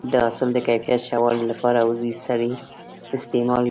د حاصل د کیفیت ښه والي لپاره عضوي سرې استعمال شي.